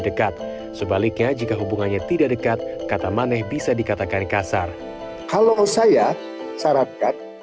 dekat sebaliknya jika hubungannya tidak dekat kata maneh bisa dikatakan kasar kalau saya syaratkan